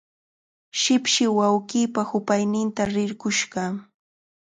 Shipshi wawqiipa hupaynintami rirqush kaa.